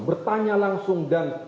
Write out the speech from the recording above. bertanya langsung dan